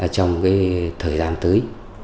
trong cái thời gian tới